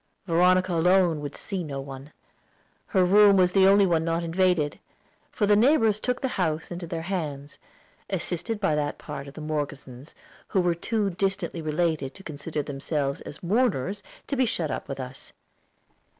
Veronica alone would see no one; her room was the only one not invaded; for the neighbors took the house into their hands, assisted by that part of the Morgesons who were too distantly related to consider themselves as mourners to be shut up with us.